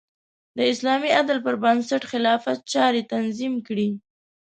د اسلامي عدل پر بنسټ خلافت چارې تنظیم کړې.